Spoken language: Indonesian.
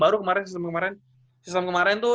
baru kemarin sistem kemarin sistem kemarin tuh